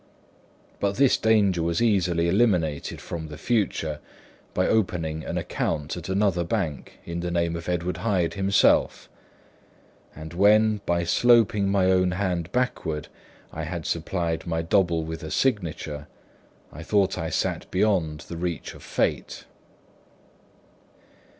But this danger was easily eliminated from the future, by opening an account at another bank in the name of Edward Hyde himself; and when, by sloping my own hand backward, I had supplied my double with a signature, I thought I sat beyond the reach of fate.